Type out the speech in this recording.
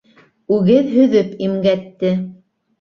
Үгеҙ һөҙөп имгәтте.